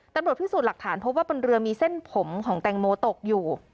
ตำรวจพิสูจน์หลักฐานพบว่าบนเรือมีเส้นผมของแตงโมตกอยู่